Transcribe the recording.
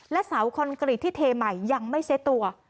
และเสาคอนกรีตที่เทใหม่ยังไม่เซ็ตตัว